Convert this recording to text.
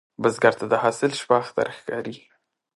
بزګر ته د حاصل شپه اختر ښکاري